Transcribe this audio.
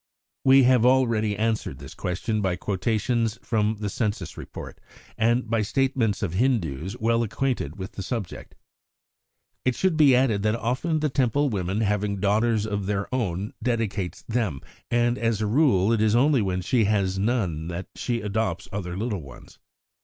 We have already answered this question by quotations from the Census Report, and by statements of Hindus well acquainted with the subject. It should be added that often the Temple woman having daughters of her own dedicates them, and as a rule it is only when she has none that she adopts other little ones.